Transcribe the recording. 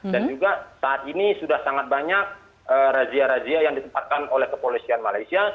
dan juga saat ini sudah sangat banyak razia razia yang ditempatkan oleh kepolisian malaysia